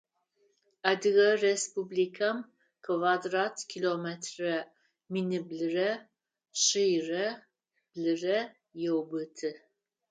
Адыгэ Республикэм квадрат километрэ миныблырэ шъийрэ блырэ еубыты.